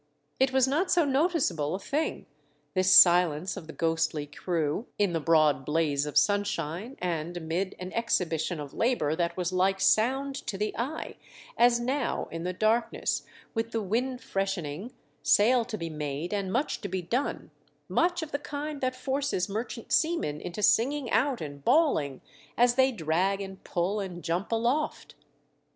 It was not so noticeable a thing, this silence of the ghostly crew, in the broad blaze of sunshine and amid an exhibition of labour that was like sound to the eye, as now, in the darkness, with the wind freshening, sail to be made and much to be done — much of the kind that forces merchant seamen into singing out and bawl ing as they drag and pull and jump aloft.